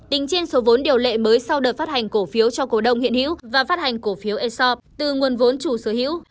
tính trên số vốn điều lệ mới sau đợt phát hành cổ phiếu cho cổ đông hiện hữu và phát hành cổ phiếu eso từ nguồn vốn chủ sở hữu